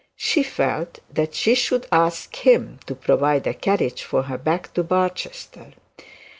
She felt that she should ask him to provide a carriage for her back to Barchester.